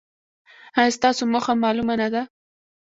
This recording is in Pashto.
ایا ستاسو موخه معلومه نه ده؟